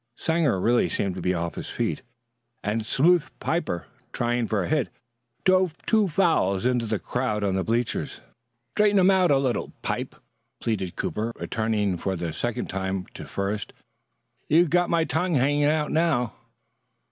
Sanger really seemed to be off his feet, and Sleuth Piper, trying for a hit, drove two fouls into the crowd on the bleachers. "Straighten 'em out a little, Pipe," pleaded Cooper, returning for the second time to first. "You've got my tongue hanging out now."